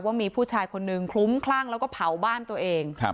ว่ามีผู้ชายคนนึงคลุ้มคลั่งแล้วก็เผาบ้านตัวเอง